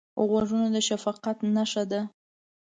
غوږونه د شفقت نښه ده